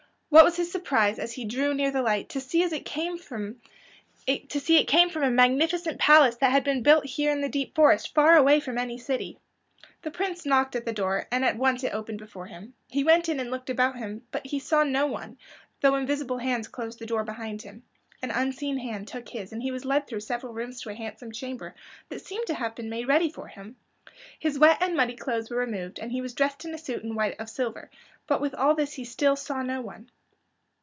What was his surprise, as he drew near the light, to see it came from a magnificent palace that had been built here in the deep forest far away from any city. The Prince knocked at the door and at once it opened before him. He went in and looked about him, but he saw no one, though invisible hands closed the door behind him. An unseen hand took his and he was led through several rooms to a handsome chamber that seemed to have been made ready for him. His wet and muddy clothes were removed and he was dressed in a suit of white and silver; but with all this he still saw no one.